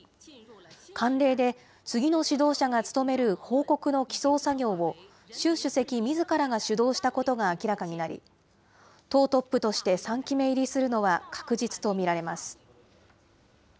慣例で、次の指導者が務める報告の起草作業を、習主席みずからが主導したことが明らかになり、党トップとして３期目入りするのは確実と見られます。